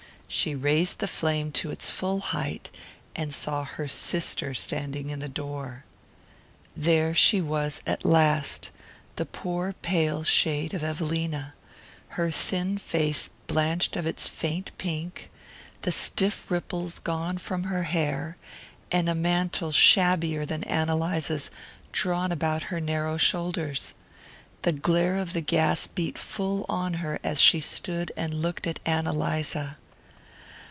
She raised the flame to its full height, and saw her sister standing in the door. There she was at last, the poor pale shade of Evelina, her thin face blanched of its faint pink, the stiff ripples gone from her hair, and a mantle shabbier than Ann Eliza's drawn about her narrow shoulders. The glare of the gas beat full on her as she stood and looked at Ann Eliza.